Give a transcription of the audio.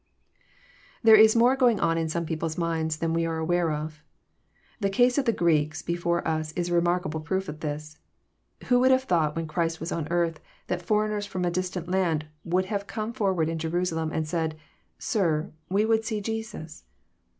There is more going on in some people's minds than we are aware of. The case of the Greeks before us is a re markable proof of this. Who would have thought when Christ was on earth, that foreigners from a distant land would have come forward in Jerusalem, and said, " Sir, we would see Jusus